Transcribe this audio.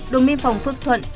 đồng biên phòng phước thuận